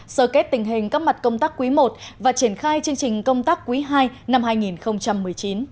sở kết tình hình các mặt công tác quý i và triển khai chương trình công tác quý ii năm hai nghìn một mươi chín